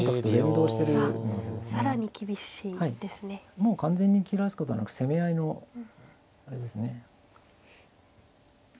もう完全に切らすことなく攻め合いのあれですね。